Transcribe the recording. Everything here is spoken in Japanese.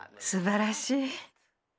すばらしい。